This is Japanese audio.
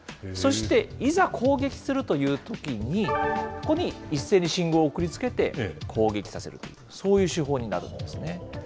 そして、いざ攻撃するというときに、ここに一斉に信号を送りつけて、攻撃させるという、そういう手法になるんですね。